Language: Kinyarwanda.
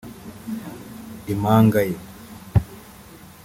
impanga ye